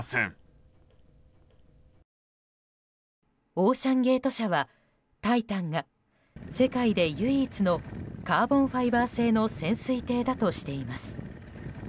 オーシャン・ゲート社は「タイタン」が世界で唯一のカーボン・ファイバー製の潜水艇だとしています。